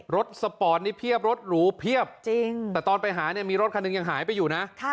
สปอร์ตนี้เพียบรถหรูเพียบจริงแต่ตอนไปหาเนี่ยมีรถคันหนึ่งยังหายไปอยู่นะ